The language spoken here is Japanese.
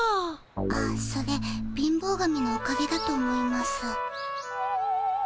あそれ貧乏神のおかげだと思います。